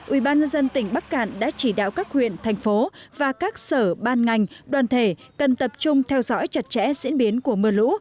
ubnd tỉnh bắc cạn đã chỉ đạo các huyện thành phố và các sở ban ngành đoàn thể cần tập trung theo dõi chặt chẽ diễn biến của mưa lũ